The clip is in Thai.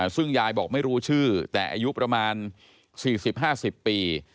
ซึ่งยายบอกไม่รู้ชื่อแต่อายุประมาณ๔๐๕๐ปี